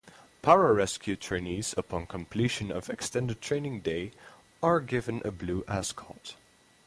Pararescue trainees upon completion of extended training day are given a blue ascot.